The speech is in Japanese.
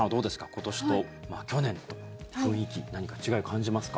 今年と去年と雰囲気、何か違いを感じますか。